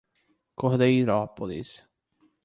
Cordeirópolis